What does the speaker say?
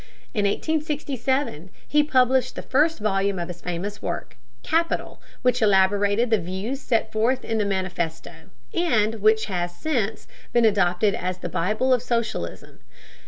In 1867 he published the first volume of his famous work, Capital, which elaborated the views set forth in the Manifesto, and which has since been adopted as the "Bible of Socialism."